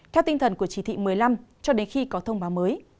theo tinh thần của chỉ thị một mươi năm cho đến khi có thông báo mới